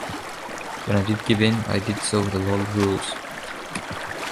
When I did give in, I did so with a lot of rules.